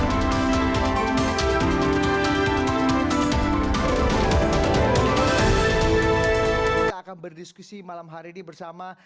kita akan berdiskusi malam hari ini bersama